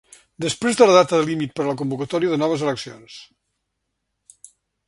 Després de la data límit per a la convocatòria de noves eleccions.